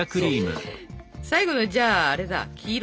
最後のじゃああれだ黄色だ。